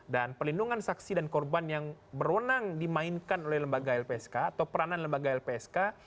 dan perlindungan saksi dan korban yang berwenang dimainkan oleh lembaga lpsk atau peranan lembaga lpsk